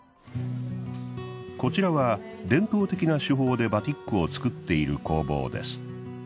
こちらは伝統的な手法でバティックを作っている工房です。